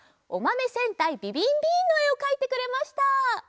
「おまめ戦隊ビビンビン」のえをかいてくれました。